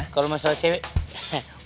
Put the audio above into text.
kalau soal cewek